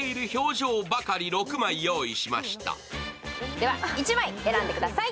では、１枚選んでください。